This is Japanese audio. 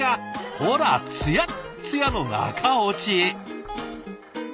ほらツヤッツヤの中落ち！